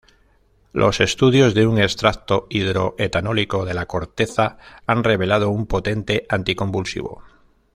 Los estudios de un extracto hidro-etanólico de la corteza han revelado un potente anti-convulsivo.